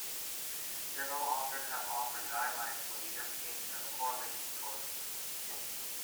Several authors have offered guidelines for the interpretation of a correlation coefficient.